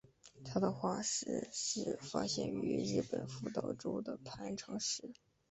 它的化石是发现于日本福岛县的磐城市。